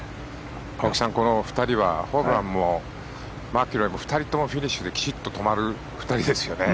青木さん、この２人はホブランもマキロイも２人ともフィニッシュできちっと止まる２人ですよね。